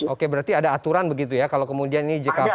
oke berarti ada aturan begitu ya kalau kemudian ini jkp